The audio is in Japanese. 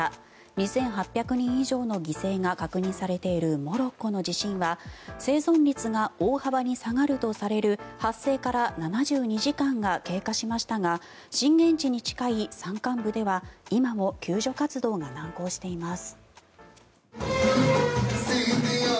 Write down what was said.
２８００人以上の犠牲が確認されているモロッコの地震は生存率が大幅に下がるとされる発生から７２時間が経過しましたが震源地に近い山間部では今も救助活動が難航しています。